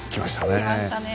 きましたねえ。